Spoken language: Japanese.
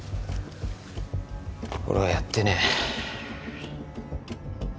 俺はやってねえ。